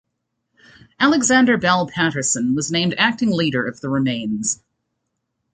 Alexander Bell Patterson was named acting leader of the remains.